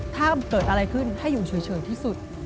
ถ้าเกิดอะไรขึ้นให้อยู่เฉยที่สุด